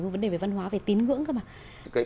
một vấn đề về văn hóa về tín ngưỡng cơ mà